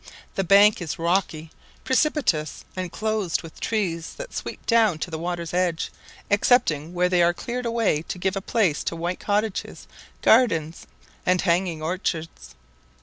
The bank is rocky, precipitous, and clothed with trees that sweep down to the water's edge, excepting where they are cleared away to give place to white cottages, gardens, and hanging orchards.